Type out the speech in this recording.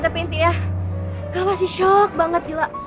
tapi intinya gue masih shock banget gila